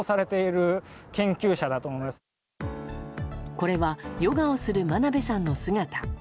これはヨガをする真鍋さんの姿。